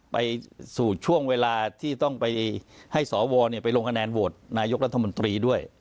ไปสู่ช่วงเวลาที่ต้องไปให้สวไปลงคะแนนโหวตนายกรัฐมนตรีด้วย